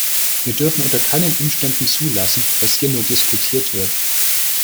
Wir dürfen unter keinen Umständen zulassen, dass hier nur diskutiert wird.